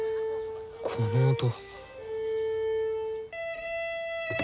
この音。